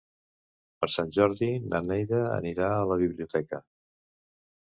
Per Sant Jordi na Neida anirà a la biblioteca.